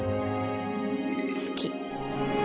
好き。